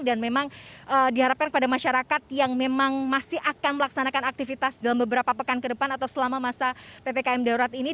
dan memang diharapkan kepada masyarakat yang memang masih akan melaksanakan aktivitas dalam beberapa pekan ke depan atau selama masa ppkm daerah ini